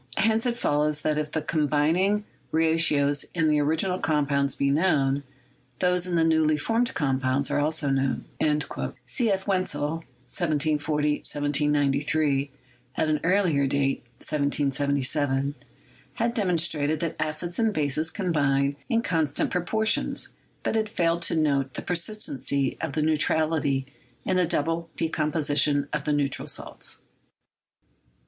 . Hence it follows that if the combining ra tios in the original compounds be known, those in the newly formed compounds are known also." C. F. Wenzel (1740 1793), at an earlier date (1777), had demonstrated that acids and bases combine in con stant proportions, but had failed to note the persistency of the neutrality in the double decomposition of the neutral salts.